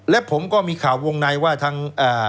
และผมก็มีข่าววงในว่าทาง